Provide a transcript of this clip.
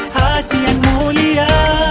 hati yang mulia